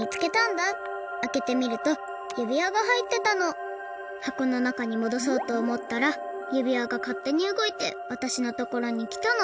あけてみるとゆびわがはいってたの。はこのなかにもどそうとおもったらゆびわがかってにうごいてわたしのところにきたの。